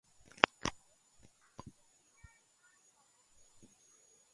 მდებარეობს ტექტონიკურ ქვაბულში.